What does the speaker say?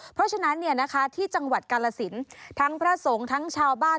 เพราะฉะนั้นที่จังหวัดกาลสินทั้งพระสงฆ์ทั้งชาวบ้าน